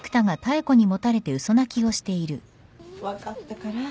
分かったから。